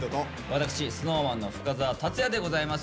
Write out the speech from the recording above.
私ＳｎｏｗＭａｎの深澤辰哉でございます。